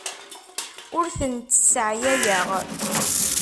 Ur tent-sseɛyayeɣ.